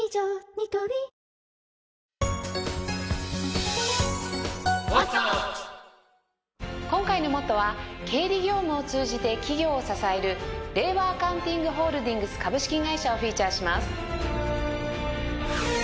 ニトリ今回の『ＭＯＴＴＯ！！』は経理業務を通じて企業を支える令和アカウンティング・ホールディングス株式会社をフィーチャーします。